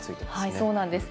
晴れそうなんです。